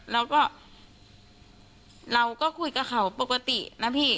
แล้วก็เราก็คุยกับเขาปกตินะพี่